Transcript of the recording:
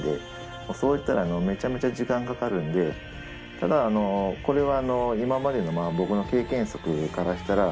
ただこれは。